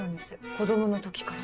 子どもの時から。